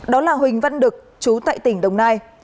đó là huỳnh văn đực trú tại tỉnh đồng nai